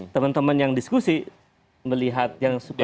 teman teman yang diskusi melihat yang suka